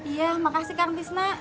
iya makasih kang tisna